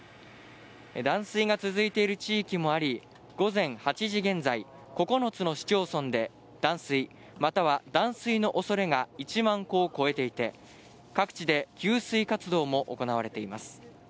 断水が続いている地域もあり、午前８時現在９つの市町村で断水、または断水のおそれが１万戸を超えていて、各地で給水活動も行われています。